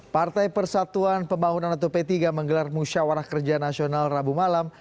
partai persatuan pembangunan atau p tiga menggelar musyawarah kerja nasional rabu malam